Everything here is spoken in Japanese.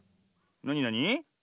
なになに？